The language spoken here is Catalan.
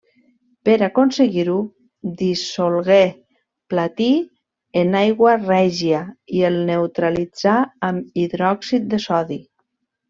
Per aconseguir-ho dissolgué platí en aigua règia i el neutralitzà amb hidròxid de sodi.